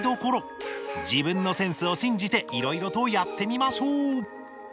自分のセンスを信じていろいろとやってみましょう！